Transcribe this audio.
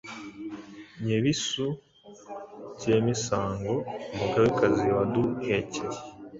Nyebisu by’emisango. Umugabekazi waduhekeye,